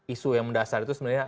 isu yang mendasar itu sebenarnya